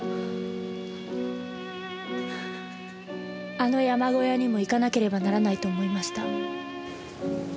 あの山小屋にも行かなければならないと思いました。